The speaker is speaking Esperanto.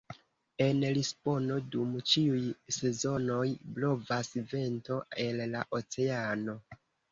En Lisbono dum ĉiuj sezonoj blovas vento el la oceano.